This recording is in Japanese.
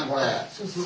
そうそう。